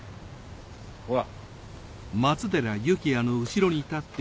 ほら。